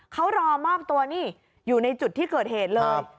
เขารอมอบตัวนี่อยู่ในจุดที่เกิดเหตุเลย